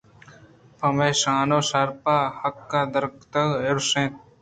پہ مئے شان ءُ شرپ ءُ حقّاں درگت ءَ اُرش ئِے